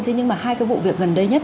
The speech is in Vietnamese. thế nhưng mà hai cái vụ việc gần đây nhất